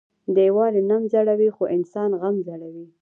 ديوال نم زړوى خو انسان غم زړوى.